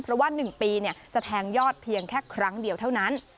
เพราะว่า๑ปีจะแทงยอดเพียงแค่ครั้งเดียวเท่านั้น